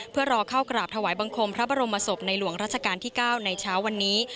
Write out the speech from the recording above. เพื่อรอเข้ากราบถวายบังคมพระบรมศพในหลวงราชการที่๙ในเช้าวันนี้